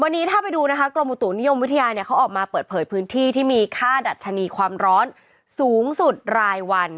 วันนี้ถ้าไปดูนะคะกรมอุตุนิยมวิทยาเนี่ยเขาออกมาเปิดเผยพื้นที่ที่มีค่าดัชนีความร้อนสูงสุดรายวัน